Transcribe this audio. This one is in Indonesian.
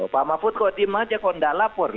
pak mahfud kok di majakonda lapor